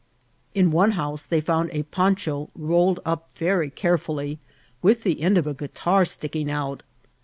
In one house they found a poncha rolled up very carefully, with the end of a guitar sticking out.